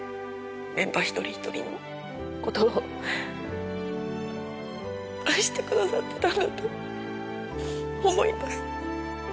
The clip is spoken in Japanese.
メンバー一人一人のことを愛してくださってたんだって思います。